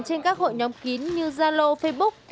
trên các hội nhóm kín như zalo facebook